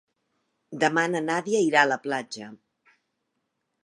Demà na Nàdia irà a la platja.